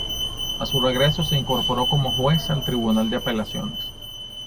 A su regreso se incorporó como juez al Tribunal de Apelaciones.